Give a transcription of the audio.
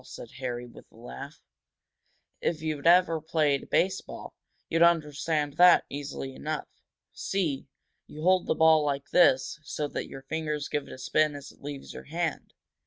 said Harry, with a laugh. "If you'd ever played baseball, you'd understand that easily enough. See? You hold the ball like this so that your fingers give it a spin as it leaves your hand."